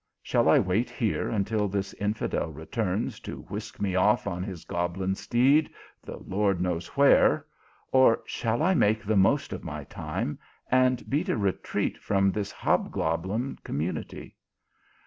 Shall I wait here until this infidel returns to whisk me off on his goblin steed, the Lord knows where ? or shall I make the most of my time, and beat a retreat from this hobgoblin community